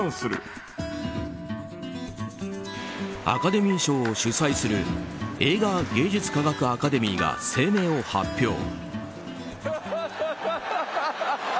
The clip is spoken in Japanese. アカデミー賞を主催する映画芸術科学アカデミーが声明を発表。